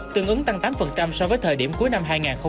tương ứng tăng tám so với thời điểm cuối năm hai nghìn hai mươi một